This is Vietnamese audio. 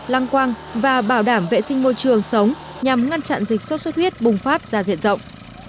lăng quang và bảo đảm vệ sinh môi trường sống nhằm ngăn chặn dịch sốt xuất huyết bùng phát ra diện rộng